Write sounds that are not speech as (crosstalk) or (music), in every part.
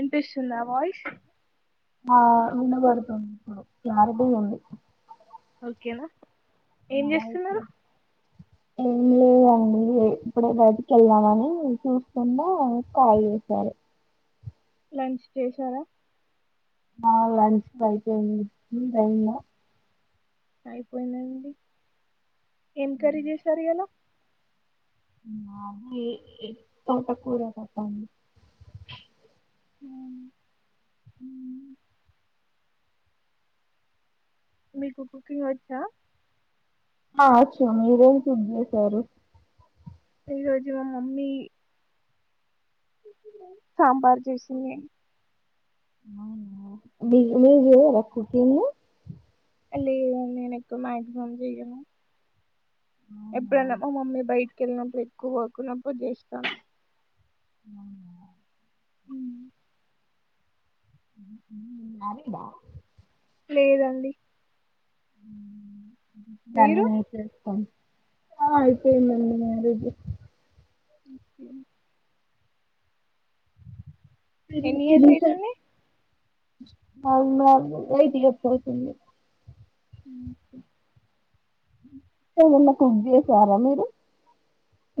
ఇన్పిస్తుందా voice? ఆ వినబడుతుందిప్పుడు clarity ఉంది. ఓకేనా ఏం జేస్తున్నరు? ఏం లేదండి ఇగ ఇప్పుడే బయటికెల్దామని చూస్తున్న కాల్ జేసారు. లంచ్ చేసారా? ఆ లంచ్ బైపోయింది మీదయింద? అయిపోయిందండి ఏం కరీ చేశారియల? మాది ఏ ఎ తోటకూర పప్పండి ఉమ్ హ మీకు కుకింగ్ వచ్చా ఆ వచ్చు మీరేం కుక్ చేేశార ఈ రోజు మా మమ్మీ సాంబార్ చేసింది మీ మీరు చేయరా కుకింగు అ లేదండి నేను ఎక్కువ మాక్సిమం చేయను అవునా ఎప్పుడన్న మా మమ్మీ బయటకి వెళ్ళినప్పు ఎక్కువ వర్క్ ఉన్నపుడు చేస్తా ఉ హ్మ్ మారీడ్ ఆ లేదండి హ్మ్ మీరు తనిని ఏం చేస్తాం ఆ అయిపోయింది అండి మ్యారేజ్ ఓకే (unintelligible) (unintelligible) ఎన్ని ఇయర్స్ అయితుంది అవున్వా ఎయిట్ ఇయర్స్ అవుతుంది హ్మ్ ఓకే ఏమన్నా కుక్ చేసారా మీరు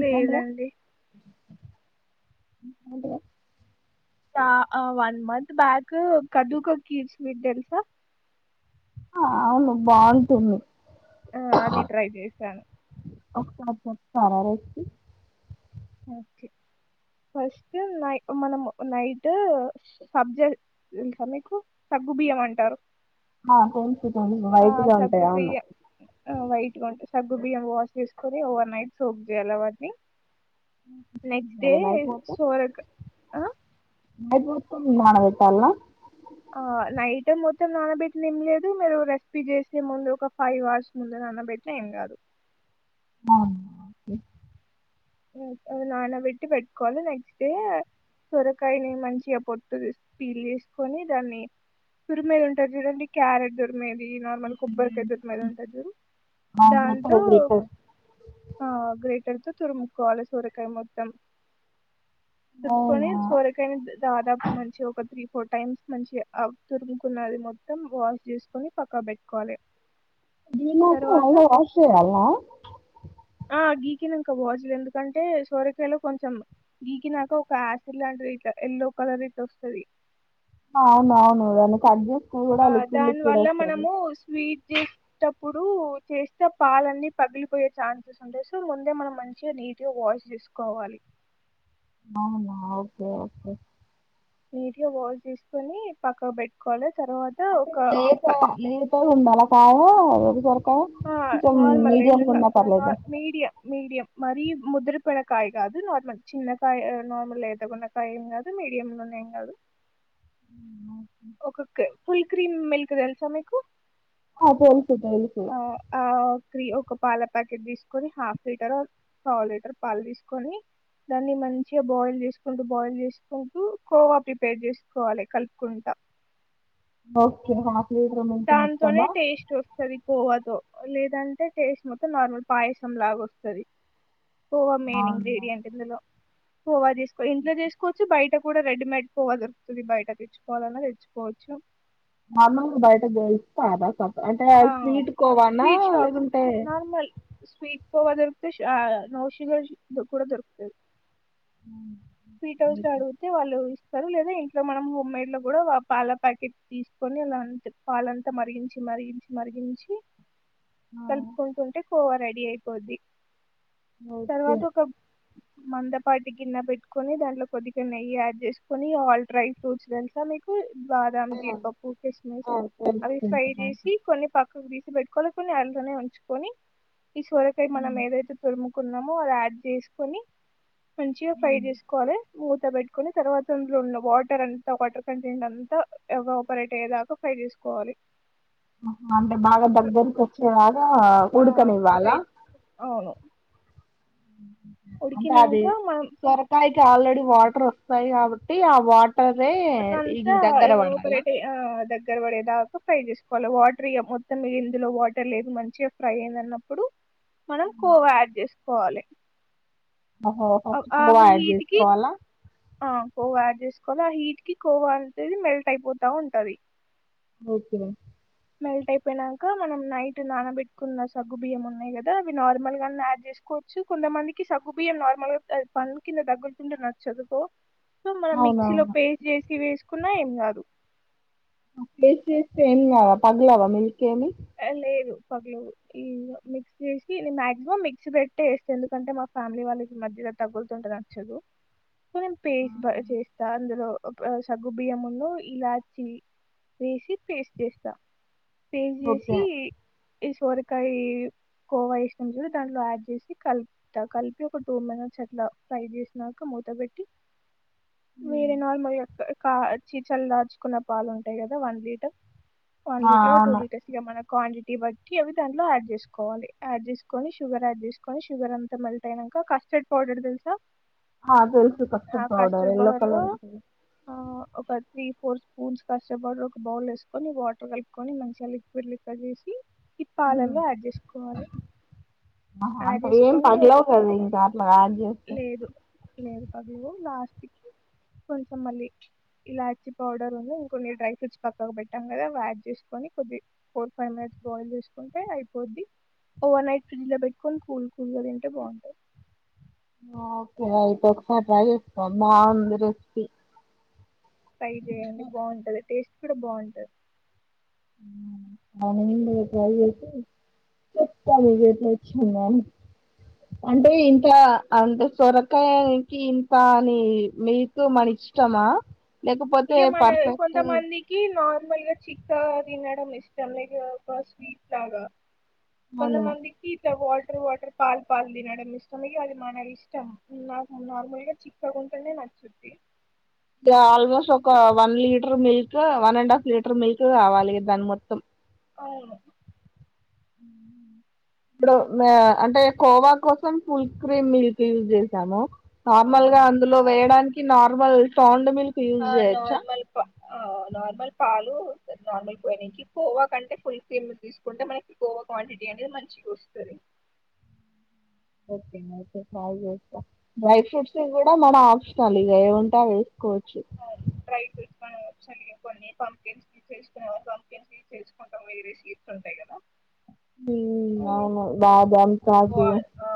లేదండి హ్మ్ అంటదా తా అ వన్ మంత్ బ్యాక్ కద్దు కా కిర్ స్వీట్ తెలుసా ఆ అవును బాగుంటుంది ఆ అది ట్రై చేశాను ఒక్కసారి చెప్తారా రెసిపీ ఓకే ఫస్ట్ నై మనం నైట్ సబజ్జా తెలుసా మీకు సగ్గు బియ్యం అంటారు ఆ కొంచుకొని ఆ వైటిగా ఉంటాయి అవును సగ్గు బియ్యం వాష్ చేసుకొని ఓవర్ నైట్ సోక్ చేయాలి వాట్ని నెక్స్ట్ డే ఇవాళ నైట్ మొత్తం సోరక్ ఆ నైట్ మొత్తం నానపెట్టాలా ఆ నైట్ మొత్తం నానబెట్టిన ఏం లేదు మీరు రెసిపీ చేసే ముందు ఒక ఫైవ్ అవర్స్ ముందు నానబెట్టిన ఏం కాదు అవునా ఓకే (unintelligible) నానబెట్టి పెట్టుకోవాలి నెక్స్ట్ డే సొరకాయని మంచిగా పొట్టు తీస్ పీల్ చేసుకొని దాన్ని తురుమెది ఉంటారు చూడండి క్యారెట్ తురుమే ది నార్మల్ కొబ్బరకాయ ఉంటాది చూడు దాంతో ఆ గ్రేటర్ తో తురుము కాల సొరకాయ మొత్తం తిప్పుకొని అవునా సోరకాయని దాదాపు మంచి ఒక త్రీ ఫోర్ టైమ్స్ మంచిగా తురుముకున్నది మొత్తం వాష్ చేసుకొని పక్కా పెట్టుకోవాలే గినాక మళ్ళ వాష్ చేయాలా ఆ గీకినంక వాష్ (unintelligible) ఎందుకంటే సోరకాయలో కొంచెం గీకినాక ఒక ఆసిడ్ లాంటి ఇట్ ఎల్లో కలర్ ఇట్ వస్తది అవును అవును దాన్ని కట్జేసి ఆ దాని వల్ల మనము స్వీట్ చేసేటప్పుడు చేస్తే పాలన్నీ పగిలిపోయే ఛాన్సెస్ ఉంటాయి సో ముందే మనం మంచిగా నీట్ గా వాష్ చేసుకోవాలి అవునా ఓకే ఓకే నీటిగా వాష్ చేసుకొని పక్కకు పెట్టుకోవాలే అంటే లేత లేత ఉండాలా పాలు ఓ వేబిజారు ఆ నార్మల్ అయితే చ పర్లేదు నార్ మీడియం మీడియం మరి ముదురిపోయిన కాయ కాదు నార్మల్ చిన్నకాయ నార్మల్ లేతగున్న కాయేం కాదు మీడియంలున్న ఏం కాదు ఒకో కే ఫుల్ క్రీమ్ మిల్క్ తెలుసా మీకు ఆ తేల్సు తేల్సు క్రి ఒక పాల ప్యాకేట్ తీసుకొని హాఫ్ లీటర్ ఆర్ పావులిటర్ పాల్ తీస్కొని దాన్ని మంచిగా బాయిల్ చేసుకుంటూ బాయిల్ చేసుకుంటూ కోవా ప్రిపేర్ చేసుకోవాలి కలుపుకుంటా బొక్కెన దాంతోనే టేస్ట్ వస్తది కోవాతో లేదంటే టేస్ట్ మొత్తం నార్మల్ పాయసం లాగ వస్తది కోవా మెయిన్ అవునా ఇన్గ్రీడియంట్ ఇందులో కోవా జేస్ ఇంట్లో చేసుకొచ్చు బయట కూడా రెడీమేడ్ కోవ దొరుకుతుంది బయట తెచ్చుకోవాలన్నా తెచ్చుకోవచ్చు నార్మల్గా బయట దొరుకుతాదా సం అంటే ఆ స్వీట్ కోవానా స్వీట్ షాప్స్ లేకుంటే నార్మల్ స్వీట్ కోవా దొరుకుతే షా నొషూగర్ కూడా దొరుకుతది స్వీట్ హౌస్ ల ఆడుగుతే వాళ్ళు ఇస్ సరు లేదా ఇంట్లో మనం హోమ్ మేడ్ లో కూడా పాల ప్యాకెట్ తీసుకొని అ పాలంతా మరిగించి మరి మరిగించి ఆ కలుపుకొని తింటే కోవా రెడి అయిపోద్ది ఓకే తర్వాత ఒక మందపాటి గిన్న పెట్టుకొని దాంట్లో కొద్దిగా నెయ్యి యాడ్ చేసుకొని ఆల్ డ్రై ఫ్రూట్స్ తెలుసా మీకు బాదం ఆ జీడిపప్పు కిస్మిస్ ఆ తెలుసు అవి ఫ్రై తెలుసు నాకు చేసి పక్కకు తీసి పెట్టుకోవలే కొన్ని ఆయిల్ళ్లోనే ఉంచుకొని ఈ సొరకాయ మనం ఏదైతే తురుము కున్నామో అది యాడ్ చేసుకొని మంచిగా ఫ్రై చేసుకోవాలే మూత పెట్టుకుని తర్వాత అందులో ఉన్న వాటర్ అంత వాటర్ కంటెంట్ అంతా ఎవాపరేట్ అయ్యేదాకా ఫ్రై చేసుకోవాలి అంటే బాగా దగ్గరకి వచ్చేలాగా ఆ ఉడుక నివ్వాల ఫ్రై ఊ అవును అంటే అది ఉడికినాక మనం సొరకాయకి ఆల్రెడి వాటర్ వస్తాయి కాబట్టి ఆ వాట టరే ఇం అట్లంతా దగరవడలా ఎవాపరేట్ ఆ దగ్గర పడే దాకా ఫ్రై చేసుకోవాలి వాటర్ ఇగ మొత్తం మీ ఇందులో వాటర్ లేదు మంచిగా ఫ్రై అయింది అన్నప్పుడు మనం కోవా అడ్జెస్ పోవాలే ఓహో ఫస్టు కోవా ఆడ్ కి జేసుకోవాల ఆ కోవ యాడ్ చేసుకోవాలి ఆ హీట్ కి కోవా అంటది మెల్ట్ అయిపోతా ఉంటది గిప్పుడు మెల్ట్ అయిపోయినాక మనం నైట్ నానబెట్టుకున్న సగ్గు బియ్యం ఉన్నాయి కదా అవి నార్మల్ గన్న యాడ్ చేసుకోవచ్చు కొంతమందికి సగ్గు బియ్యం నార్మల్ గా పను కింద తగ్గులుతుంటే నచ్చదు కొ సో మనం మిక్సీ లో అవునవును పేస్ట్ చేసి తివేసుకున్నా ఏం కాదు ఒకే చేస్తే ఏం గద పగలావా మిల్కెమి ఏ లేదు పగలవు ఇంగ మిక్స్ చేసి నే మాక్సిమం మిక్సీ పెట్టే వేస్తే ఎందుకంటే మా ఫ్యామిలీ వాళ్ళకి మధ్యగా తగులుతుంటే నచ్చదు నేన్ పేస్ బా ఆహా! చేస్తా అందులో ఆప్ ఆ సగ్గు బియ్యము ముందు ఇలాచ్చి వేసి పేస్ట్ చేస్తా గుట్ల ఇ ఈ సోరకాయ కోవా వేసు చ దాంట్లో యాడ్ చేసి కలుపుతా కలిపి ఒక టూ మినిట్స్ అట్లా ఫ్రై చేసినాక మూత పెట్టి హ్మ్. వేరే నార్మల్ గా క కాచీచలర్చుకున్న పాలు ఉంటాయి కదా వన్ లీటర్ వన్ ఆ లీటర్ టూ అవును లీటర్ సిగ మనకు క్వాంటిటీ బట్టి అవి దాంట్లో యాడ్ చేసుకోవాలి యాడ్ చేసుకొని షుగర్ యాడ్ చేసుకొని షుగర్ అంతా మెల్ట్ అయినాక కస్టర్డ్ పౌడర్ తెలుసా ఆ తెల్సు ఆ కస్టడ్ పౌడర్ కస్టర్డ్ ఎల్లో లో కలర్ ఉంటది ఆ, ఒక త్రీ ఫోర్ స్పూన్స్ కస్ పౌడర్ ఒక బౌల్ వేసుకొని వాటర్ కలుపుకొని మంచిగా లిక్విడ్ లిక్వి బంజేసి ఈ హ్మ్. పాలల్లో యాడ్ చేసుకోవాలి ఆహా యాడ్ అంటే ఏం చేసుకొని పగలవు కదా ఇంకా అట్లా యాడ్ చేస్తే లేదు లేదు పగలవు లాస్ట్ కి కొంచెం మళ్ళీ ఇలాచి పౌడర్ ఉంది ఇంకొన్ని డ్రై ఫ్రూట్స్ పక్కకు పెట్టాం కదా అ యాడ్ చేసుకొని కొద్ది ఫోర్ ఫైవ్ మినిట్స్ బాయిల్ చేసుకుంటే అయిపోద్ది ఓవర్ నైట్ ఫ్రిజ్ ల పెట్టుకొని కూల్ కూల్ గా తింటే బాగుంటది ఆ ఒకసారైతే ఒకసారి ట్రై చేస్తా బాగుంది రెసిపీ ఫ్రై చేయండి బాగుంటది టేస్ట్ ఇక్కడ బాగుంటది ఊ (unintelligible) చెప్తాడు ఇగ తెచ్చిండని అంటే ఇంట్లా అంత సొరకాయనికి ఇంత అని మీకు మన ఇష్టమా లేకపోతే ఇక మన పర్ఫెక్ట్ కొంతమందికి నార్ చిక్క తినడం ఇష్టం లే ఇగ ఒక స్వీట్లాగా కొంద అవును మందికి ఇట్లా వాటర్ వటర్ పాలు పాలు తినడం ఇష్టం ఇగ అది మన ఇష్టం నాకు నార్మల్గా చిక్కగుంటనే నచ్చుద్ది ఇగ ఆల్మోస్ట్ ఒక one litre milk one and half litre milk కావాలి దాని మొత్తం అవును ఇప్పుడు అంటే కోవా కోసం ఫుల్ క్రీమ్ మిల్క్ యూజ్ చేసాము నార్మల్ గా అవును అందులో వేయడానికి నార్ ర్మల్ సౌండ్ మిల్ క్ యూజ్ ఆ చెయ్యొచ్చా నార్మల్ పా ఆ నార్మల్ పాలు నార్మల్ పొయనికి కోవా కంటే ఫుల్ సిమ్ తీసుకుంటే మనకి కోవా క్వాంటిటీ అనేది మంచిగా వస్తది ఓకే నోకే టై చేస్తా డ్రై ఫ్రూట్స్ కూడా మన ఆప్షనల్ ఇగ ఏముంటే అవేసుకోవచ్చు అవును డ్రై ఫ్రూట్స్ మన ఆప్షనల్ ఇగ కొన్ని పంపించి చేసుకునేవాళ్ళు పంపించి చేసుకుంటాం వేరే షీట్స్ ఉంటాయి కదా ఉం అవును బాదమ్ కాజు వా ఆ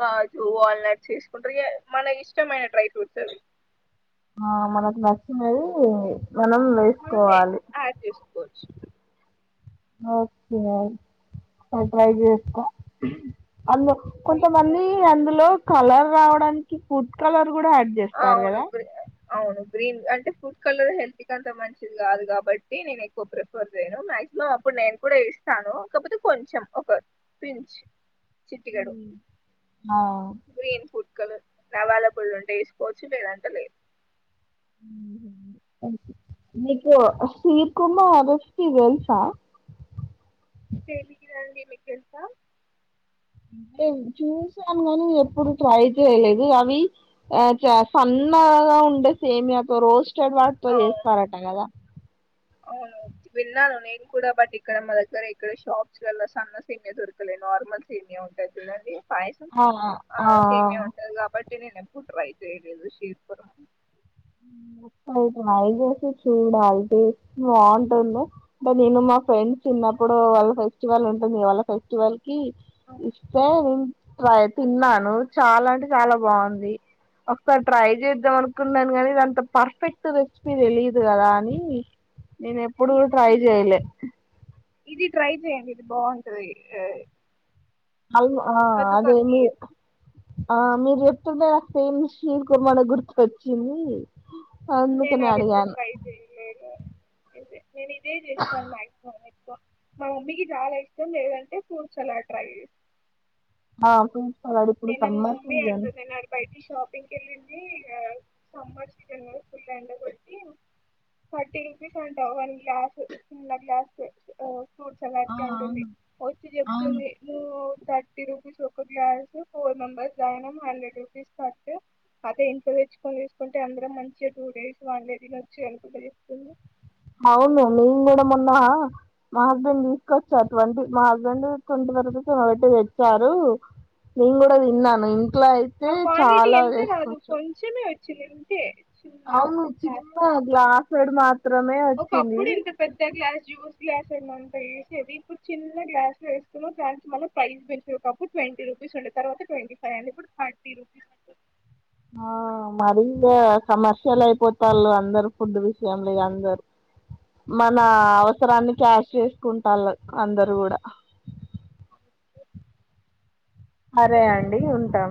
కాజు వాల్నట్ చేసుకుంటారు ఇగ మనకిష్టమైన డ్రై ఫ్రూట్స్ అవి ఆ మనకు నచ్చినది మనం మనం వేసుకోవాలి యాడ్ చేసుకోవచ్చు ఓకే ట్రై చేస్తా అన్ను కొంతమంది అన్ లో కలర్ రావడానికి ఫుడ్ కలర్ కూడా ఆడ్ చేస్తారు అవును కదా అవును గ్రీన్ అంటే ఫుడ్ కలర్ హెల్త్ కి అంత మంచిది కాదు కాబట్టి నేను ఎక్కువ ప్రిఫర్ చేయను మాక్సిమం అప్పుడు నేను కూడా ఏసినాను కాకపోతే కొంచెం ఒక పించ్ చిట్ కెడు ఆ గ్రీన్ ఫుడ్ క్కలు నవాల పుళు ఉంటే పోచి లేద అంట లే ఉహు నీకు శీక్ ఉన్ను రెసిపి తెల్సా తెలియదండి మీకు తెలుసా టే చూసాను గని ఎప్పుడు ట్రై చేయలేదు అవి ఆ చ సన్నగా ఉండే సేమియాతో రోస్ట్ చెడ్ వాడుతో చేస్త అవును రాట కదా అవును విన్నాను నేను కూడా బట్ ఇక్కడ మా దగ్గర ఇక్కడ షాప్స్ లల్ల సన్న సేమయ దొరకలే నార్మల్ సేమియ ఉంటాది చూడండి పాయసం ఆ ఆ సేమియ ఉంటది కాబ నేనే ప్పుడు ట్రై చేయలేదు షీట్స్ కొర ఉం ఒకసారి ట్రై చేసి చూడాలి టేస్ట్ బాగుంటుందో అంటే నేను మా ఫ్రెండ్స్ చిన్నప్పుడు వాళ్ళ ఫె చి వాళ్ళ ఉంటుంది గ వాల్ల ఫెస్టివల్ కి ఇస్తే నేన్ ట్రై తిన్నాను చాలా అంటే చాలా బాగుంది ఒకసారి ట్రై చేద్దాం అనుకున్నాను కని ఇదంత పర్ఫెక్ట్ రెసిపీ తెలిదు కదా అని నేను ఎప్పుడు ట్రై చేయలే ఇది ట్రై చెయండి ఇది బాగుంటది ఐం ఆ అదే కదుకకి మి ఆ మీరు చెప్తుంటే నాకు ఫేమి షిర్ కుర్మానే గుర్తుకోచ్చింది. నేను అది ఎప్పుడూ ట్రై చేయలేదు. ఇదే నేను ఇదే చేస్తాను మాక్సిమం మా మమ్మీకి చాలా ఇష్టం. లేదంటే ఫ్రూట్స్ సలాడ్ ట్రై చేస్ ఆకు నేన్న మా మమ్మీ అంటున్ నేన్న అటు బయటి షాపింగ్ కెళ్ళింది ఇగ. సమ్మర్ సీజన్గా ఫుల్ ఎండ కొట్టి ఫార్టీ రుపీస్ అంటా వన్ గ్లాసు చిన్న గ్లాసు. ఓ ఫ్రూట్స్ ఆ సలాట్కి అంటుంది. అవును వచ్చి అవును చెప్తుంది నువ్ థర్టీ రూపీస్ ఒక గ్లాసు ఫోర్ మెంబర్స్ తగినం హండ్రెడ్ రూపీస్ కట్టు. అదే ఇంట్లో తెచ్చుకొని తీసుకుంటే, అందరం మంచిగా టూ డేస్, వన్ డే తిన్నొచ్చు, ఎండ పూట చేసుకొని అవును మెంగూడా మోన్న ఆ మా హస్బెండ్ తీసుకొచ్చాడ్ ట్వంటీ, మా హస్బెండ్ ట్వంటి ఫైవ్ రూపిసో ఏమో బెట్టి తెచ్చారు. నేను గూడా దిన్నను. ఇంట్ల అయితే ఆ చాలా వేసుకోచ్చు. చ్చిలేంతే అవును చిన్న అ గ్లాసేడు మాత్ ఒకప్పుడు ఇంత పెద్ద గ్లాస్ జ్యూస్ గ్లాస్ ఏమంత ఏసేది. ఇప్పుడు చిన్న గ్లాస్ వేస్తునో దానికి మనం ప్రైస్ పెంచేరు, ఒక్కప్పుడు ట్వంటీ రూపీస్ ఉండేది, తర్వాత ట్వంటీ ఫైవ్ అయింది, ఇప్పుడు థర్టీ రూపీస్ అంటుంద్. ఆ మరి ఈగా కమర్షియల్ అయిపోతళ్ళు అందరుూ, ఫుడ్ విషయంలే అందరుూ. మన అవసరాన్ని క్యాష్ చేస్ కుంటళ్ళు అందరుూ గూడా హా అ ఓకే అరే అండి ఉంటాం.